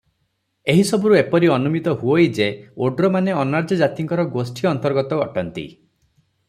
ଏହିସବୁରୁ ଏପରି ଅନୁମିତ ହୁଅଇ ଯେ ଓଡ୍ରମାନେ ଅନାର୍ଯ୍ୟ ଜାତିଙ୍କର ଗୋଷ୍ଠି ଅନ୍ତର୍ଗତ ଅଟନ୍ତି ।